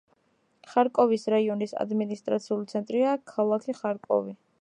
ხარკოვის რაიონის ადმინისტრაციული ცენტრია ქალაქი ხარკოვი.